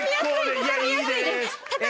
畳みやすいです。